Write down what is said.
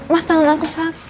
mas tanganku sakit